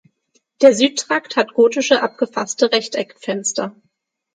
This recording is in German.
Der Südtrakt hat gotische abgefaste Rechteckfenster.